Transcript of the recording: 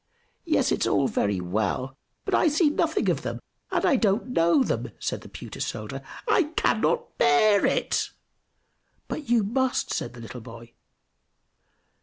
"Yes, it's all very well, but I see nothing of them, and I don't know them!" said the pewter soldier. "I cannot bear it!" "But you must!" said the little boy.